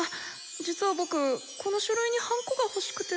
実は僕この書類にハンコが欲しくて。